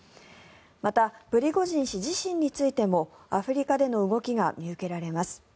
またプリゴジン氏自身についてもアフリカでの動きが見受けられます。